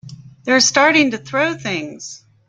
They're starting to throw things!